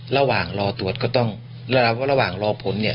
ระหว่างรอตรวจก็ต้องระหว่างรอผลเนี่ย